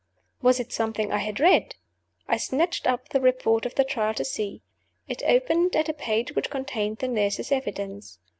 Was it something I had read? I snatched up the Report of the Trial to see. It opened at a page which contained the nurse's evidence.